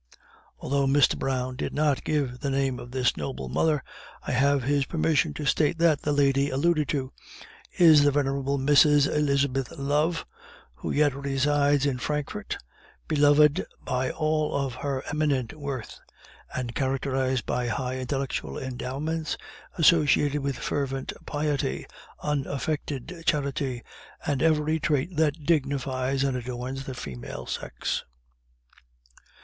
Although Mr. Brown did not give the name of this noble mother, I have his permission to state that the lady alluded to is the venerable Mrs. Elizabeth Love, who yet resides in Frankfort, beloved by all for her eminent worth, and characterized by high intellectual endowments associated with fervent piety, unaffected charity, and every trait that dignifies and adorns the female sex.